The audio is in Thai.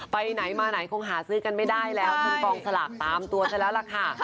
ไปไหนมาไหนคงหาซื้อกันไม่ได้แล้วถึงกองสลากตามตัวซะแล้วล่ะค่ะ